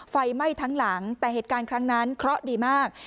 ไฟไหม้ทั้งหลังแต่เหตุการณ์ครั้งนั้นเคราะห์ดีมาก